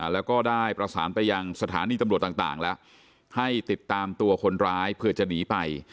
แล้วก็ได้ประสานไปยังสถานีตำรวจต่างแล้วให้ติดตามตัวคนร้ายเผื่อจะหนีไป